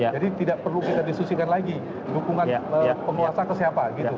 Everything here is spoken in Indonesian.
jadi tidak perlu kita disusikan lagi dukungan penguasa ke siapa